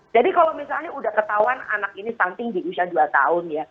jadi kalau misalnya sudah ketahuan anak ini stunting di usia dua tahun ya